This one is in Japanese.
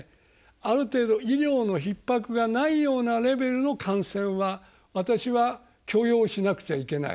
ある程度医療のひっ迫がないようなレベルの感染は私は許容しなくちゃいけない。